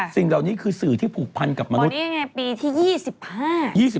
สิ่งเหล่านี้คือสื่อที่ผูกพันกับมนุษย์นี่ไงปีที่๒๕